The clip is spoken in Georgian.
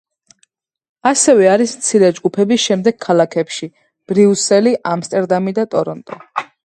ასევე არის მცირე ჯგუფები შემდეგ ქალაქებში: ბრიუსელი, ამსტერდამი და ტორონტო.